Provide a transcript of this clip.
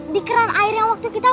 di keran air yang waktu kita